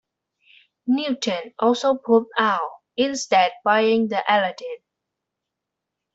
Newton also pulled out, instead buying The Aladdin.